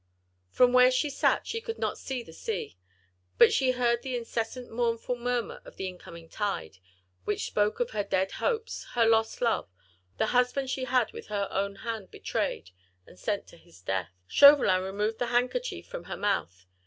From where she sat she could not see the sea, but she heard the incessant mournful murmur of the incoming tide, which spoke of her dead hopes, her lost love, the husband she had with her own hand betrayed, and sent to his death. Chauvelin removed the handkerchief from her mouth.